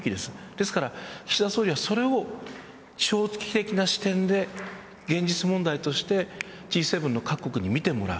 ですから岸田総理はそれを長期的な視点で現実問題としてＧ７の各国に見てもらう。